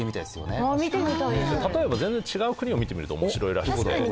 例えば全然違う国を見てみると面白いらしくて。